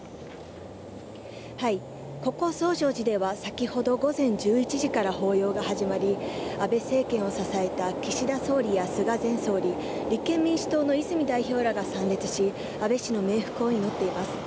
ここ増上寺では事例は先ほど午前１１時から法要が始まり、安倍政権を支えた岸田総理や菅前総理、立憲民主党の泉代表らが参列し、安倍氏の冥福を祈っています。